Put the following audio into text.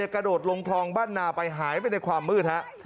กระโดดลงคลองบ้านนาไปหายไปในความมืดฮะ